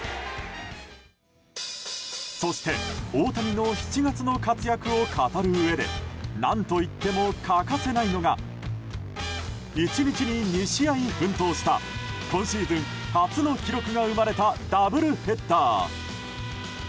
そして大谷の７月の活躍を語るうえで何といっても欠かせないのが１日に２試合奮闘した今シーズン初の記録が生まれたダブルヘッダー。